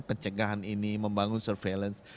pencegahan ini membangun surveillance